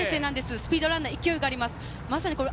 スピードランナー、勢いがあります。